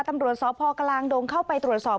ตำรวจสพกลางดงเข้าไปตรวจสอบ